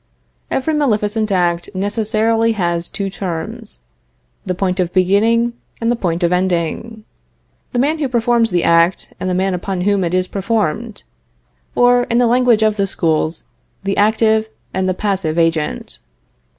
Every maleficent act necessarily has two terms the point of beginning and the point of ending; the man who performs the act and the man upon whom it is performed; or, in the language of the schools, the active and the passive agent.